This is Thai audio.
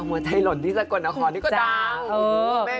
หัวใจหล่นที่สะกดนะขอลูกจ้า